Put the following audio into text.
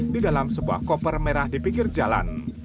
di dalam sebuah koper merah di pinggir jalan